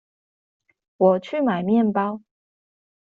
我去買麵包